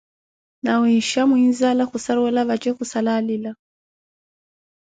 Nawisha mwinzala khussaruwela vatje khussala alila.